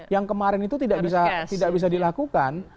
yang kemarin itu tidak bisa dilakukan